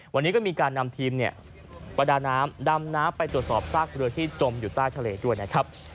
วันนี้ก็มีการนำทีมประดาน้ำดำน้ำไปตรวจสอบซากเรือที่จมอยู่ใต้ทะเลด้วยนะครับ